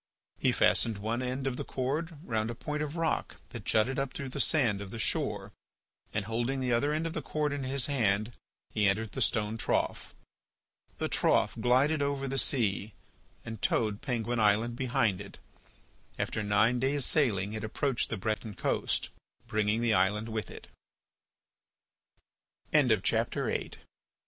He fastened one end of the cord round a point of rock that jutted up through the sand of the shore and, holding the other end of the cord in his hand, he entered the stone trough. The trough glided over the sea and towed Penguin Island behind it; after nine days' sailing it approached the Breton coast, bringing the island with it. BOOK II. THE ANCIENT TIMES I.